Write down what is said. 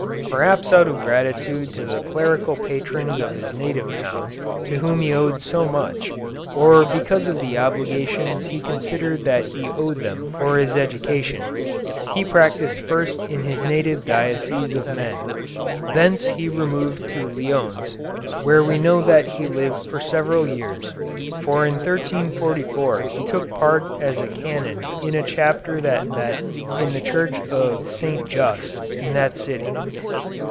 Perhaps out of gratitude to the clerical patrons of his native town to whom he owed so much, or because of the obligations he considered that he owed them for his education, he practised first in his native diocese of Mende; thence he removed to Lyons, where we know that he lived for several years, for in 1344 he took part as a canon in a chapter that met in the Church of St. Just in that city.